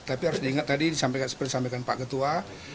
tapi harus diingat tadi seperti disampaikan pak ketua